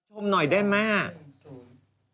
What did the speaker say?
ชมหน่อยได้ไหม